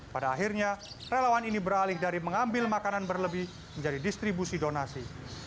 pada akhirnya relawan ini beralih dari mengambil makanan berlebih menjadi distribusi donasi